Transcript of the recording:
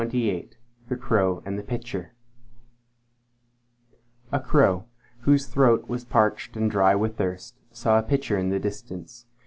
THE CROW AND THE PITCHER A crow, whose throat was parched and dry with thirst, saw a pitcher in the distance.